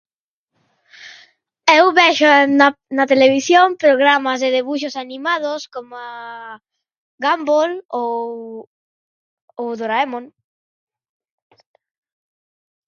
Eu vexo na na televisión programas de debuxos animados coma Gumball ou ou Doraemon.